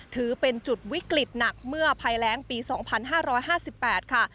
ถือเป็นจุดวิกฤตหนักเมื่อภัยแรงปี๒๕๕๘ค่ะ